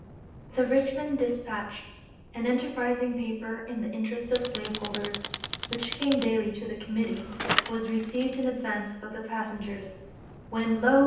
The Richmond Dispatch, an enterprising paper in the interest of slaveholders, which came daily to the Committee, was received in advance of the passengers, when lo!